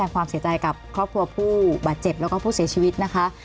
ความเสียใจกับครอบครัวผู้บาดเจ็บแล้วก็ผู้เสียชีวิตนะคะ